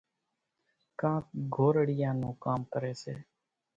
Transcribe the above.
ڪانڪ گھورڙيئان نون ڪام ڪريَ سي۔